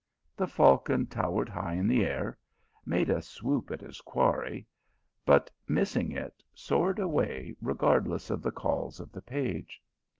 The falcon towered high in the air, made a swoop at his quarry, but missing it, soared away regardless of the calls of the page.